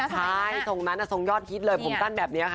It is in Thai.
ใช่ส่งนั้นส่งยอดฮิตผมตั้งแบบนี้นะคะ